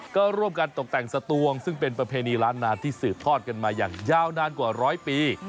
ก็ร่วมกันตกแต่งสตวงซึ่งเป็นประเพณีล้านนานที่สืบทอดกันมาอย่างยาวนานกว่าร้อยปี